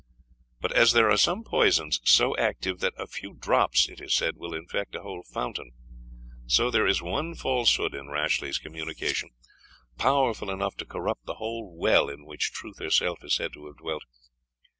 But as there are some poisons so active, that a few drops, it is said, will infect a whole fountain, so there is one falsehood in Rashleigh's communication, powerful enough to corrupt the whole well in which Truth herself is said to have dwelt.